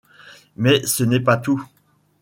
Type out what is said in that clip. Mais ce n’est pas tout !